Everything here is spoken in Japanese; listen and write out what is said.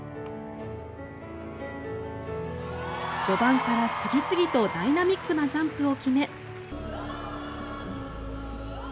序盤から次々とダイナミックなジャンプを決め。